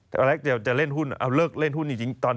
แต่ว่าแรคจะเล่นหุ้นเอาเลิกเล่นหุ้นจริง